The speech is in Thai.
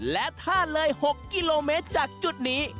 และถ้าเลย๖กิโลเมตรจากจุดนี้